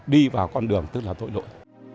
đi vào con đường tức là tội lỗi